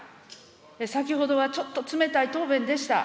先ほどはちょっと冷たい答弁でした。